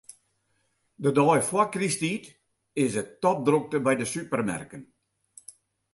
De dei foar krysttiid is it topdrokte by de supermerken.